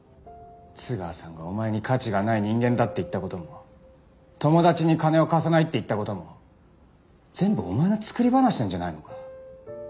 津川さんがお前に「価値がない人間だ」って言った事も「友達に金を貸さない」って言った事も全部お前の作り話なんじゃないのか？